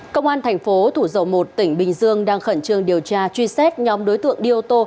công an thành phố thủ dầu một tỉnh bình dương đang khẩn trương điều tra truy xét nhóm đối tượng đi ô tô